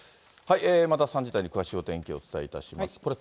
また３時台に詳しいお天気をお伝えいたします。